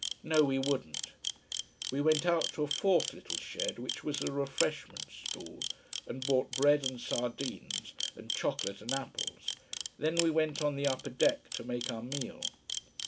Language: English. No, we wouldn't. We went out to a fourth little shed, which was a refreshment stall, and bought bread and sardines and chocolate and apples. Then we went on the upper deck to make our meal.